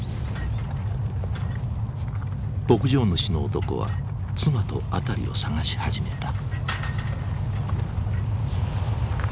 牧場主の男は妻と辺りを捜し始めた。